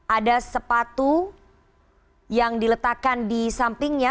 ada sepatu yang diletakkan di sampingnya